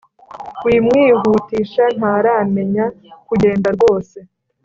Wimwihutisha ntaramenya kugenda rwose